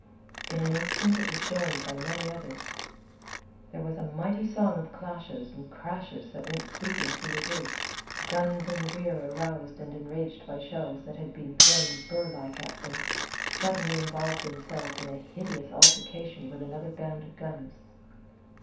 In an instant it was joined by many others. There was a mighty song of clashes and crashes that went sweeping through the woods. The guns in the rear, aroused and enraged by shells that had been thrown burr like at them, suddenly involved themselves in a hideous altercation with another band of guns.